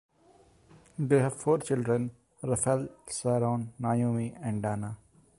They have four children: Rafael, Sharon, Naomi and Danna.